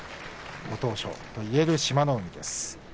ご当所といえる志摩ノ海です。